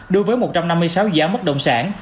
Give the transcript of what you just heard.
đối với một trăm năm mươi sáu dự án bất động sản